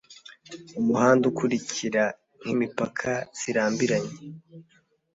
Umuhanda ukurikira nkimpaka zirambiranye